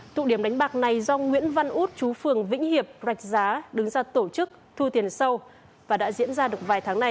tụ điểm đánh bạc này do nguyễn văn út chú phường vĩnh hiệp rạch giá đứng ra tổ chức thu tiền sâu và đã diễn ra được vài tháng nay